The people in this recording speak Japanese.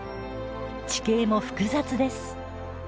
地形も複雑です。